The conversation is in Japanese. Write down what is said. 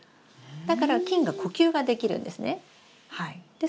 だから菌が呼吸ができるんですね。